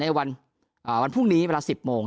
ในวันพรุ่งนี้เวลา๑๐โมง